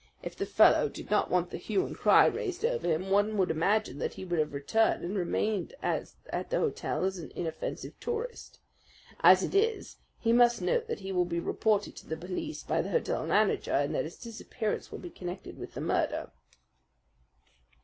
"If the fellow did not want the hue and cry raised over him, one would imagine that he would have returned and remained at the hotel as an inoffensive tourist. As it is, he must know that he will be reported to the police by the hotel manager and that his disappearance will be connected with the murder."